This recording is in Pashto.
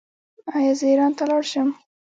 ایا زه ایران ته لاړ شم؟